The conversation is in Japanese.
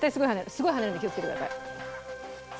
すごい跳ねるんで気をつけてください。